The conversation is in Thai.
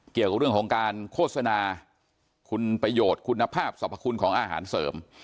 เกี่ยวกับเรื่องของการโฆษณาคุณประโยชน์คุณภาพสรรพคุณของอาหารเสริม